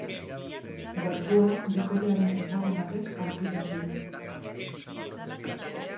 Gorpua bikotearen ezagun batek aurkitu zuen.